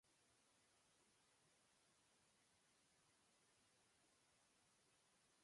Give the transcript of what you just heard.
Potřebujeme opatření pro vyvrácení spekulací o státním dluhu.